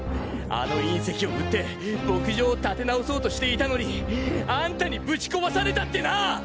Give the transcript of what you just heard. あの隕石を売って牧場を立て直そうとしていたのにアンタにぶち壊されたってなぁ！！